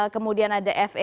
kemudian ada juga